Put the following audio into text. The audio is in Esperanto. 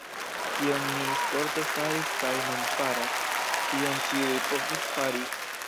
Kion mi sporte faris kaj nun faras, tion ĉiuj povus fari.